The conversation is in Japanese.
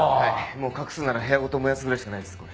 もう隠すなら部屋ごと燃やすぐらいしかないですこれ。